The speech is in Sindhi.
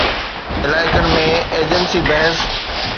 علائقن ۾ ايجنسي بحث